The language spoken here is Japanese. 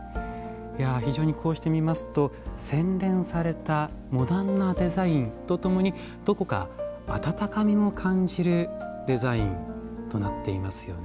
非常にこうして見ますと洗練されたモダンなデザインとともにどこか温かみも感じるデザインとなっていますよね。